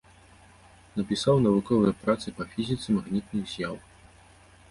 Напісаў навуковыя працы па фізіцы магнітных з'яў.